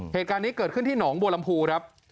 เหตุการณ์นี้เกิดขึ้นที่หนองบัวลำพูครับ